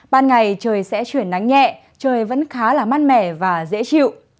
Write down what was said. ban ngày trời sẽ chuyển nắng nhẹ trời vẫn khá là mát mẻ và dễ chịu